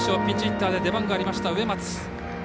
ピンチヒッターで出番がありました植松。